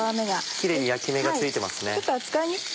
キレイに焼き目がついてますね。